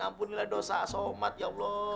ampunilah dosa somat ya allah